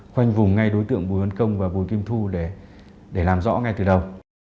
khoanh vùng ngay đối tượng bùi văn công và bùi kim thu để làm rõ ngay từ đầu